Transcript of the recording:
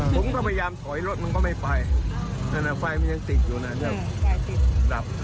หลุงก็พยายามถอยรถมันก็ไม่ไปแต่น้ำไฟมันยังติดอยู่น่ะ